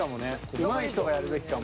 うまい人がやるべきかも。